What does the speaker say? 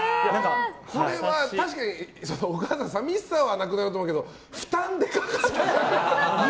これは、確かにお母さん、寂しさはなくなると思うけど負担がでかくない？